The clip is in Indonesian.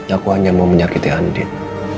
aku hanya mau menyakiti andi